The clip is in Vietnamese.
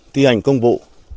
tuy hành công vụ